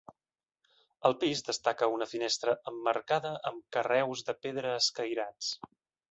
Al pis destaca una finestra emmarcada amb carreus de pedra escairats.